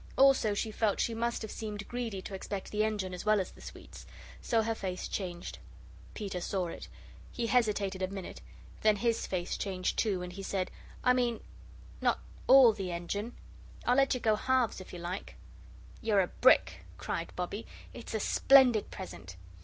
Also she felt she must have seemed greedy to expect the engine as well as the sweets. So her face changed. Peter saw it. He hesitated a minute; then his face changed, too, and he said: "I mean not ALL the engine. I'll let you go halves if you like." "You're a brick," cried Bobbie; "it's a splendid present."